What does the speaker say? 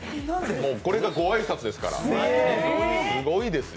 これがご挨拶ですからすごいですよ。